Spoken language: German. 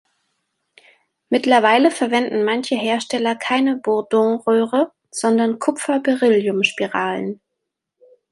Mittlerweile verwenden manche Hersteller keine Bourdon-Röhre, sondern Kupfer-Beryllium-Spiralen.